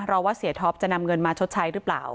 รอว่าเศรษฐฟจะนำเงินมาชดใช้หรือเปล่า